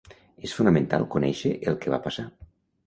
És fonamental conèixer el que va passar.